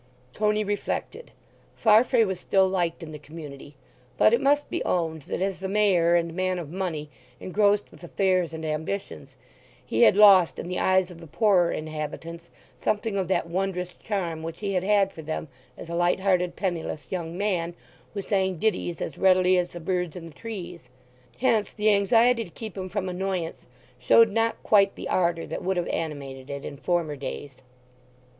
Coney reflected. Farfrae was still liked in the community; but it must be owned that, as the Mayor and man of money, engrossed with affairs and ambitions, he had lost in the eyes of the poorer inhabitants something of that wondrous charm which he had had for them as a light hearted penniless young man, who sang ditties as readily as the birds in the trees. Hence the anxiety to keep him from annoyance showed not quite the ardour that would have animated it in former days.